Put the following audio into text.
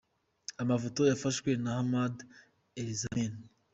Amafoto yafashwe na : Hamada Elrasem.